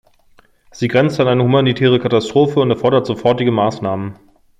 Sie grenzt an eine humanitäre Katastrophe und erfordert sofortige Maßnahmen.